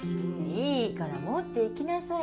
いいから持っていきなさいって。